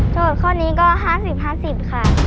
ข้อนี้ก็๕๐๕๐ค่ะ